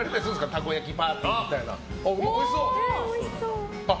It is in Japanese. たこ焼きパーティーみたいな。